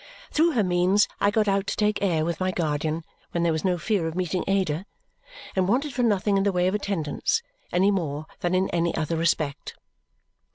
Through her means I got out to take the air with my guardian when there was no fear of meeting Ada, and wanted for nothing in the way of attendance, any more than in any other respect.